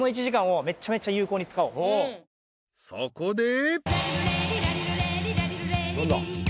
［そこで］